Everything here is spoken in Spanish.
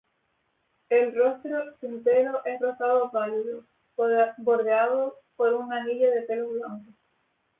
El rostro, sin pelo, es rosado pálido, bordeado por un anillo de pelos blancos.